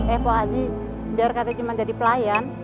eh pak haji biar katanya cuma jadi pelayan